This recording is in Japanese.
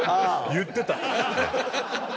言ってた！